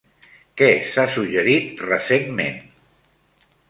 Què s'ha suggerit recentment?